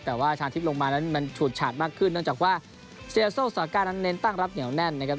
แต่ว่าชาทิพย์ลงมานั้นมันฉูดฉาดมากขึ้นเนื่องจากว่าเซียโซซาก้านั้นเน้นตั้งรับเหนียวแน่นนะครับ